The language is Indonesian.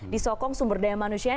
disokong sumber daya manusia